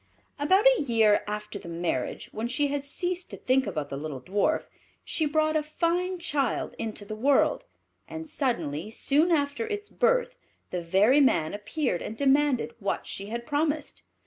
About a year after the marriage, when she had ceased to think about the little Dwarf, she brought a fine child into the world; and, suddenly, soon after its birth, the very man appeared and demanded what she had promised.